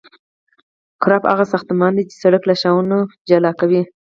کرب هغه ساختمان دی چې سرک له شانو جلا کوي